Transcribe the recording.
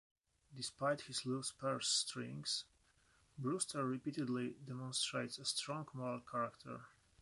Despite his loose purse strings, Brewster repeatedly demonstrates a strong moral character.